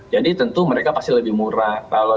jadi tentu mereka pasti lebih murah